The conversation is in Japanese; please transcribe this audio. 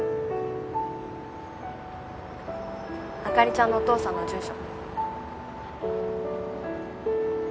あかりちゃんのお父さんの住所。